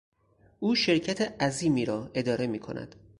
او شرکت عظیمی را اداره میکند.